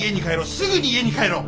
すぐに家に帰ろう！